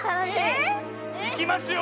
えぇ⁉いきますよ！